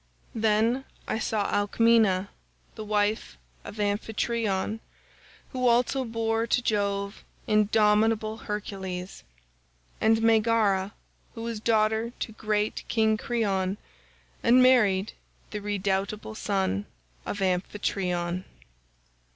"Then I saw Alcmena, the wife of Amphitryon, who also bore to Jove indomitable Hercules; and Megara who was daughter to great King Creon, and married the redoubtable son of Amphitryon.